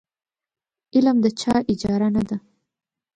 علم د چا اجاره نه ده.